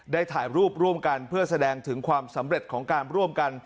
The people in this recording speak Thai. ถ่ายรูปร่วมกันเพื่อแสดงถึงความสำเร็จของการร่วมกัน